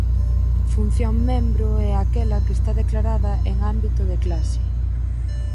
Función membro é aquela que está declarada en ámbito de clase.